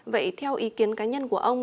vậy theo ý kiến cá nhân của ông